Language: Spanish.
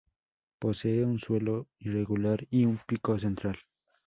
Posee un suelo irregular y un pico central.